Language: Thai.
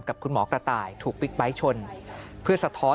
กับคุณหมอกระต่ายถูกบิ๊กไบท์ชนเพื่อสะท้อน